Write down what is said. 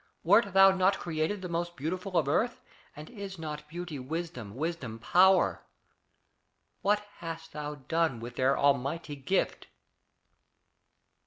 Wert thou not Created the most beautiful of earth, And is not beauty wisdom, wisdom power? What hast thou done with their almighty gift?"